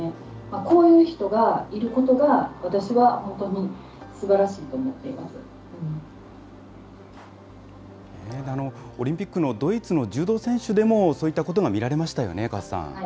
こういう人がいることが私は本当にオリンピックのドイツの柔道選手でも、そういったことが見られましたよね、河瀬さん。